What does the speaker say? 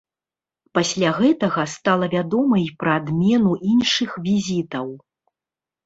Пасля гэтага стала вядома і пра адмену іншых візітаў.